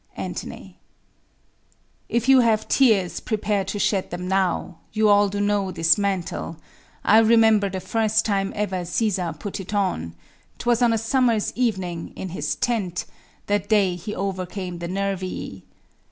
Ant. If you have tears, prepare to shed them now; You all do know this mantle: I remember The first time ever Cæsar put it on; 'Twas on a summer's evening, in his tent, That day he overcame the Nervii.